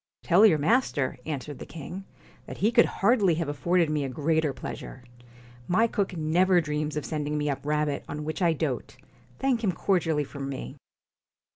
'Tell your master,' answered the king, 'that he could hardly have afforded me a greater pleasure. My cook never dreams of sending me up rabbit, on which I dote. Thank him cordially from me.'